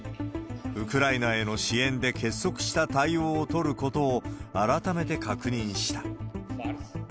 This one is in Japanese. ウクライナへの支援で結束した対応を取ることを改めて確認した。